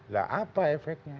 nah apa efeknya